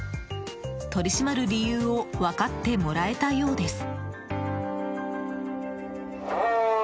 取り締まる理由を分かってもらえたようです。